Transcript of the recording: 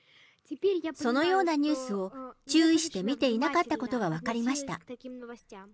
そのようなニュースを注意して見ていなかったことが分かりました。